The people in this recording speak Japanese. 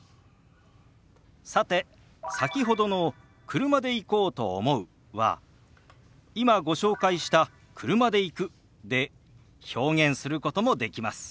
さて先ほどの「車で行こうと思う」は今ご紹介した「車で行く」で表現することもできます。